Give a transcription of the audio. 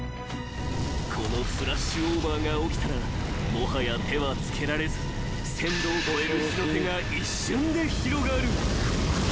［このフラッシュオーバーが起きたらもはや手は付けられず１，０００℃を超える火の手が一瞬で広がる］